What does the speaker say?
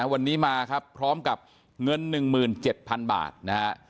วันนี้มาครับพร้อมกับเงิน๑๗๐๐๐บาทนะฮะ